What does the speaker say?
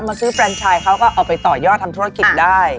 มาซื้อแฟรนชายเค้าก็ขอเอาออกไปต่อยอดทำธุรกิจได้